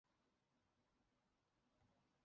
现在有了房子